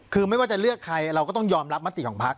คือไม่ว่าจะเลือกใครเราก็ต้องยอมรับมติของพัก